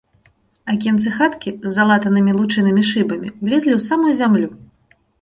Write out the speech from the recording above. Акенцы хаткі, з залатанымі лучынамі шыбамі, улезлі ў самую зямлю.